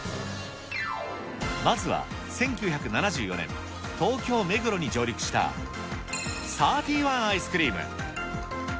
まずは１９７４年、東京・目黒に上陸した、サーティワンアイスクリーム。